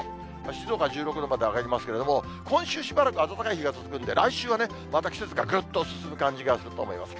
静岡は１６度まで上がりますけれども、今週しばらく暖かい日が続くんで、来週はね、また季節がぐっと進む感じがすると思います。